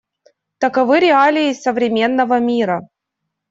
Таковы реалии современного мира.